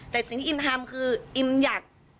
แต่สิ่งที่อิมทำคืออิมอยาก